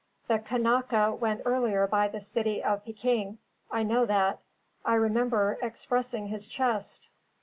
The Kanaka went earlier by the City of Pekin; I know that; I remember expressing his chest.